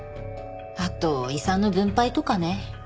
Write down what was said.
あと遺産の分配とかね。